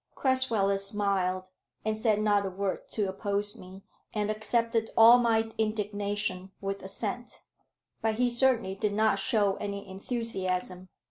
Crasweller smiled, and said not a word to oppose me, and accepted all my indignation with assent; but he certainly did not show any enthusiasm.